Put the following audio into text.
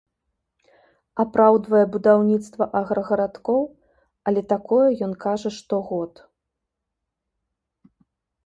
Апраўдвае будаўніцтва аграгарадкоў, але такое ён кажа штогод.